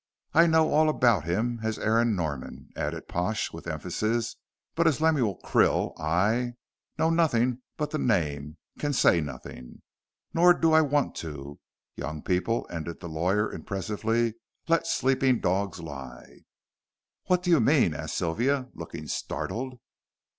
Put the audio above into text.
I know all about him as Aaron Norman," added Pash, with emphasis, "but as Lemuel Krill I, knowing nothing but the name, can say nothing. Nor do I want to. Young people," ended the lawyer, impressively, "let sleeping dogs lie." "What do you mean?" asked Sylvia, looking startled.